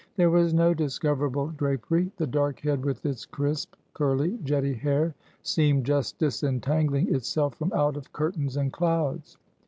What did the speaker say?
There was no discoverable drapery; the dark head, with its crisp, curly, jetty hair, seemed just disentangling itself from out of curtains and clouds.